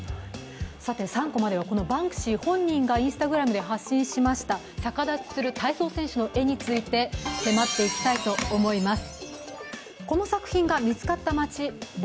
３コマではバンクシー本人がＩｎｓｔａｇｒａｍで発信しました逆立ちする体操選手の絵について迫っていきたいと思います。